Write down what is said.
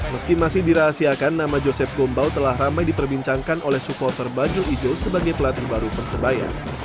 meski masih dirahasiakan nama joseph gombau telah ramai diperbincangkan oleh supporter bajul ijo sebagai pelatih baru persebaya